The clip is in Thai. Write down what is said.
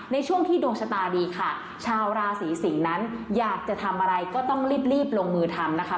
ในช่วงที่ดวงชะตาดีค่ะชาวราศีสิงศ์นั้นอยากจะทำอะไรก็ต้องรีบรีบลงมือทำนะคะ